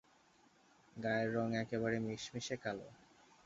গায়ের রং একেবারে মিশমিশে কালো।